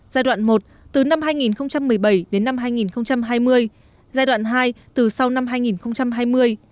giai đoạn một từ năm hai nghìn một mươi bảy đến năm hai nghìn hai mươi giai đoạn hai từ sau năm hai nghìn hai mươi